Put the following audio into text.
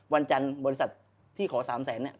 วันจันทร์บริษัทที่ขอ๓แสนเนี่ย